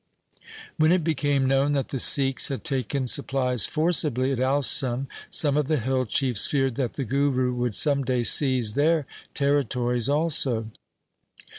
1 When it became known that the Sikhs had taken supplies forcibly at Alsun, some of the hill chiefs feared that the Guru would some day seize their territories also.